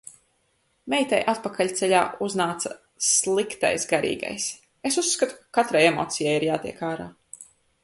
Meitai atpakaļceļā uznāca sliktais garīgais. Es uzskatu, ka katrai emocija ir jātiek ārā.